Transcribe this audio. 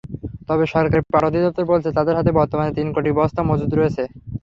তবে সরকারের পাট অধিদপ্তর বলছে, তাদের হাতে বর্তমানে তিন কোটি বস্তা মজুত রয়েছে।